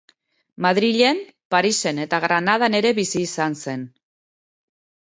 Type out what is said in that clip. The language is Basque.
Madrilen, Parisen eta Granadan ere bizi izan zen.